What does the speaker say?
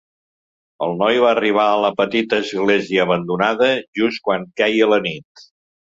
El noi va arribar a la petita església abandonada just quan queia la nit.